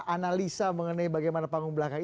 analisa mengenai bagaimana panggung belakang